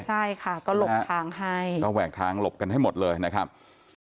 ใช่ค่ะก็หลบทางให้ก็แหวกทางหลบกันให้หมดเลยนะครับ